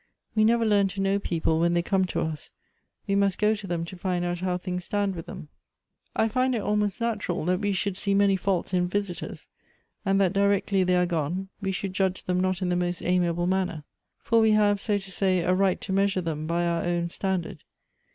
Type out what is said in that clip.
"We never learn to know people when they come to us: we must go to them to find out how things stand with them. "I find it almost natural that we should see many faults in visitors, and that directly they are gone We should judge them not in the most amiable manner. For we have, so to say, a right to measure them by our own standard.